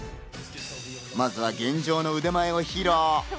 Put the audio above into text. まずは現状の腕前を披露。